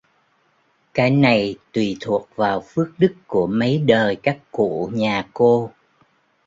Cái này tùy thuộc vào phước đức của mấy đời các cụ nhà cô